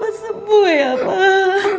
bapak cepat sembuh ya pak